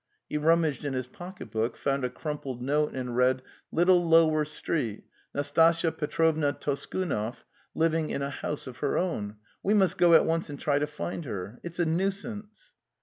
He rummaged in his pocket book, found a crumpled note and read: 1 Little Lower 'Street: INastasya: /Petroyvna Toskunoy, living in a house of her own.' We must go at once and try to find her. It's a nuisance!